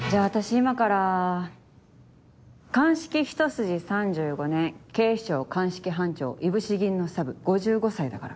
今から鑑識ひと筋３５年警視庁鑑識班長いぶし銀のサブ５５歳だから。